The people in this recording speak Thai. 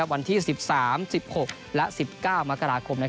วันที่๑๓๑๖และ๑๙มกราคม